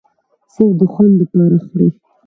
صرف د خوند د پاره خوري